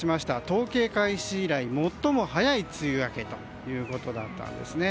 統計開始以来最も早い梅雨明けということだったんですね。